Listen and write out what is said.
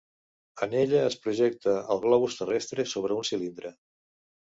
En ella es projecta el globus terrestre sobre un cilindre.